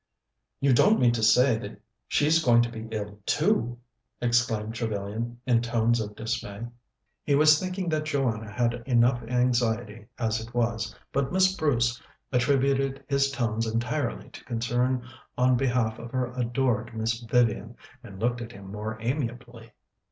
"You don't mean to say she's going to be ill too?" exclaimed Trevellyan in tones of dismay. He was thinking that Joanna had enough anxiety as it was; but Miss Bruce attributed his tones entirely to concern on behalf of her adored Miss Vivian, and looked at him more amiably.